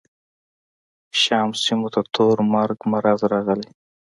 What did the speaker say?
شام سیمو ته تور مرګ مرض راغلی.